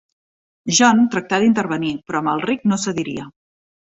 John tractà d'intervenir, però Amalric no cediria.